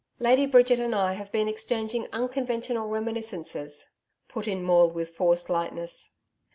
'Lady Bridget and I have been exchanging unconventional reminiscences,' put it Maule with forced lightness.